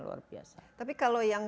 luar biasa tapi kalau yang